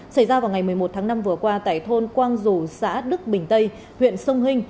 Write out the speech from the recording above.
xảy ra vào ngày một mươi một tháng năm vừa qua tại thôn quang dù xã đức bình tây huyện sông hình